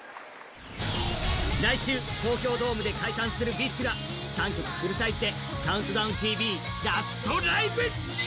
来週、東京ドームで解散するＢｉＳＨが３曲フルサイズで「ＣＤＴＶ」ラストライブ！